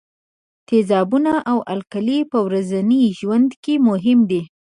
تیزابونه او القلي په ورځني ژوند کې مهم دي.